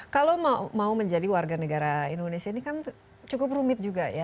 kalau mau menjadi warga negara indonesia ini kan cukup rumit juga ya